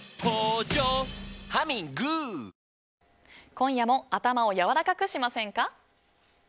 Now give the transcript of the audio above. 今夜も頭をやわらかくしませんか？